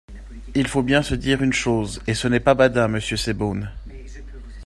Il faut bien se dire une chose, et ce n’est pas badin, monsieur Sebaoun.